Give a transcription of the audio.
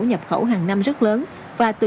nhập khẩu hàng năm rất lớn và từ